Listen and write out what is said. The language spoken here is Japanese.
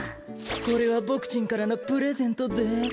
これはボクちんからのプレゼントです。